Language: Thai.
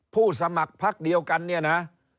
ผู้สมัครพักเดียวกัน